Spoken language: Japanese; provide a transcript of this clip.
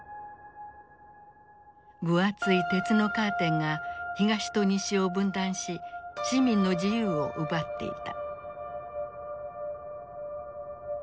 分厚い鉄のカーテンが東と西を分断し市民の自由を奪っていた。